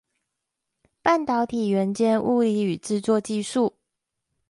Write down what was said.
半導體元件物理與製作技術